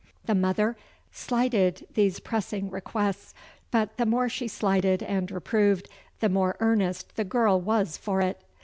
The mother slighted these pressing requests, but the more she slighted and reproved, the more earnest the girl was for it.